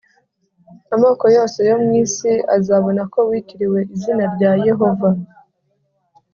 Amoko yose yo mu isi azabona ko witiriwe izina rya Yehova